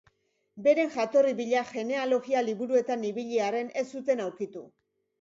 Beren jatorri bila genealogia-liburuetan ibili arren, ez zuten aurkitu.